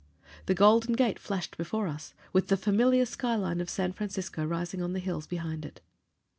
The Golden Gate flashed before us, with the familiar skyline of San Francisco rising on the hills behind it.